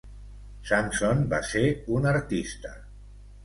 Sampson va ser un artista.